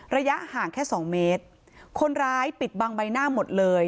ระยะห่างแค่สองเมตรคนร้ายปิดบังใบหน้าหมดเลย